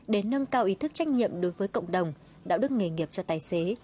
để nâng cao ý thức trách nhiệm đối với cộng đồng đạo đức nghề nghiệp cho tài xế